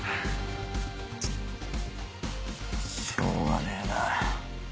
チッしょうがねえな。